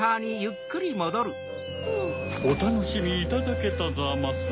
おたのしみいただけたざます？